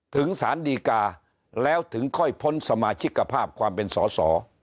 ถึงสารดีกาแล้วถึงค่อยพ้นสมาชิกภาพความเป็นสอสอ